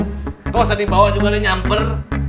gak usah dibawa juga deh nyamper